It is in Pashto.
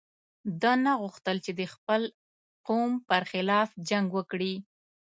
ده نه غوښتل چې د خپل قوم پر خلاف جنګ وکړي.